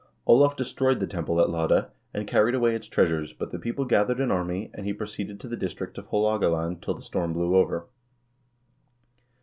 Olav destroyed the temple at Lade, and carried away its treasures, but the people gathered an army, and he proceeded to the district of Haalogaland till the storm blew over.